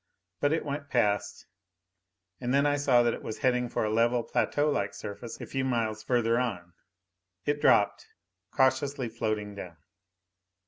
But it went past. And then I saw that it was heading for a level, plateaulike surface a few miles further on. It dropped, cautiously floating down.